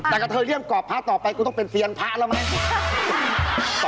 แต่กระเทยเรื่องกรอบพระต่อไปกูต้องเป็นเซียนพระแล้วไหม